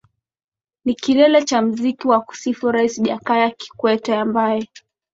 ni kilele za muziki za kusifu rais jakaya kikwete ambaye